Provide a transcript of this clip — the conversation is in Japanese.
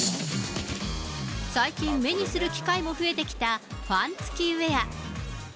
最近、目にする機会も増えてきたファン付きウエア。